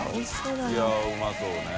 いやうまそうね。